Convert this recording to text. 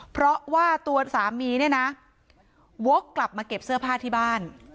เพราะว่าตัวสามีเนี่ยนะวกกลับมาเก็บเสื้อผ้าที่บ้าน